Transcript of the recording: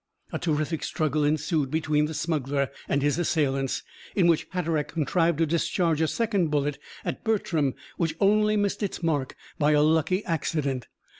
A terrific struggle ensued between the smuggler and his assailants, in which Hatteraick contrived to discharge a second bullet at Bertram, which only missed its mark by a lucky accident.